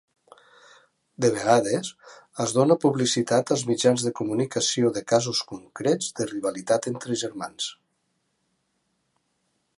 De vegades, es dóna publicitat als mitjans de comunicació de casos concrets de rivalitat entre germans.